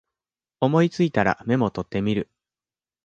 思いついたらメモ取ってみる